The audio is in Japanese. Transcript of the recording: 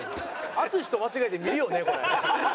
淳と間違えて見るよねこれ。